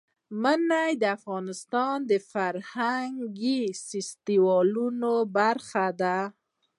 منی د افغانستان د فرهنګي فستیوالونو برخه ده.